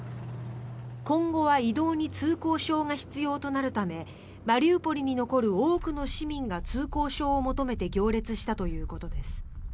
今後は移動に通行証が必要となるためマリウポリに残る多くの市民が通行証を求めて行列したということです。